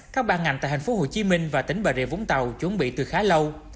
các ban ngành tại tp hcm và tỉnh bà rịa vũng tàu chuẩn bị từ khá lâu